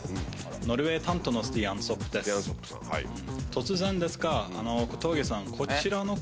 ノルウェー担当のスティアンソップです。